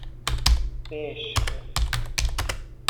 بِشر